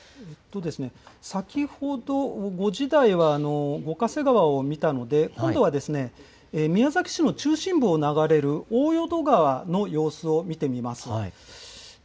先ほど５時台は、五ヶ瀬川を見たので、今度は宮崎市の中心部を流れる大淀川の様子を見てみます。